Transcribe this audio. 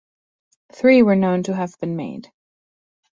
Three were known to have been made.